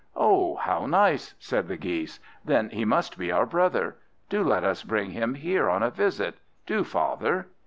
"Oh, how nice!" said the Geese. "Then he must be our brother. Do let us bring him here on a visit! Do, father!"